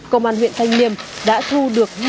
công an huyện thanh liêm đã thu được